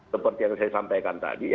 seperti yang saya sampaikan tadi